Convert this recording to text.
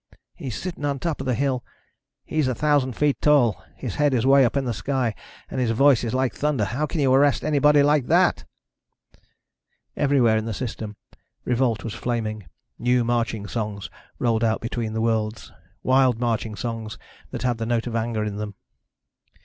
"He's sitting on top of that hill. He's a thousand feet tall. His head is way up in the sky and his voice is like thunder. How can you arrest anybody like that?" Everywhere in the System, revolt was flaming. New marching songs rolled out between the worlds, wild marching songs that had the note of anger in them.